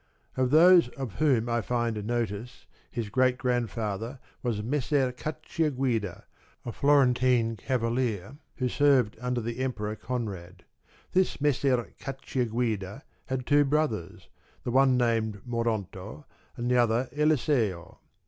Of those of whom I find notice his great great grandfather was Messer Cacciaguida, a Florentine cavalier who served under the Emperor Conrad. This Messer Cacciaguida had two brothers, the one named Moronto, and the other Eliseo.